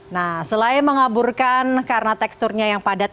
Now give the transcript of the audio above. nah selain mengaburkan karena teksturnya yang padat